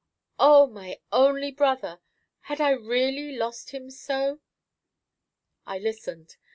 Oh! my only brother! had I really lost him so? I listened.